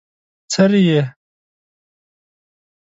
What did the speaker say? څري يې؟